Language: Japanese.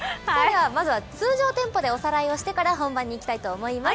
まずは通常テンポでおさらいをしてから本番にいきたいと思います。